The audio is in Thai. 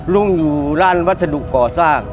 ลุงอยู่ร้านวัสดุก่อสร้าง